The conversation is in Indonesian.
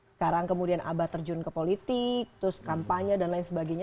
sekarang kemudian abah terjun ke politik terus kampanye dan lain sebagainya